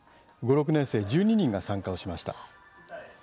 ５、６年生１２人が参加をしました。